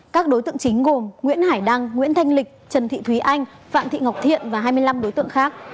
các đối tượng chính gồm nguyễn hải đăng nguyễn thanh lịch trần thị thúy anh phạm thị ngọc thiện và hai mươi năm đối tượng khác